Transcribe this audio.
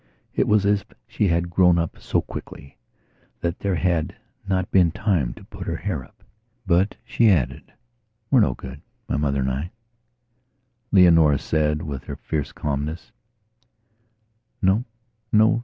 It was as if she had grown up so quickly that there had not been time to put her hair up. But she added: "We're no goodmy mother and I." Leonora said, with her fierce calmness: "No. No.